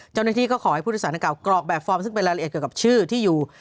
เจ้าหน้าที่ก็ขอให้ผู้โดยสารหน้าเก่ากรอกแบบฟอร์มซึ่งเป็นรายละเอียดเกี่ยวกับชื่อที่อยู่